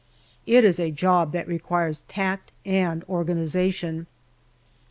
It is a job that requires tact and organization.